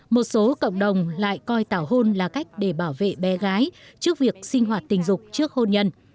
một số cộng đồng lại coi tảo hôn là cách để bảo vệ bé gái trước việc sinh hoạt tình dục trước hôn nhân